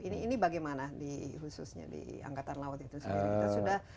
ini bagaimana khususnya di angkatan laut itu sendiri